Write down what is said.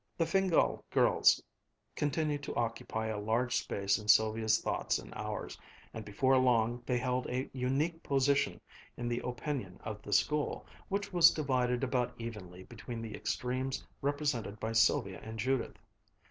The Fingál girls continued to occupy a large space in Sylvia's thoughts and hours, and before long they held a unique position in the opinion of the school, which was divided about evenly between the extremes represented by Sylvia and Judith.